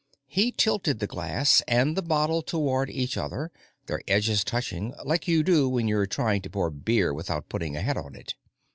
He tilted the glass and the bottle toward each other, their edges touching, like you do when you're trying to pour beer without putting a head on it.